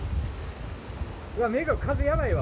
うわ、目が、風やばいわ！